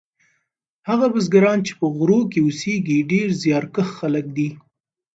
هغه بزګران چې په غرو کې اوسیږي ډیر زیارکښ خلک دي.